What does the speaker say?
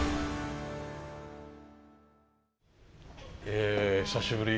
ええ久しぶり。